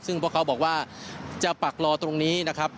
ซึ่งพวกเขาบอกว่าจะปักรอตรงนี้นะครับ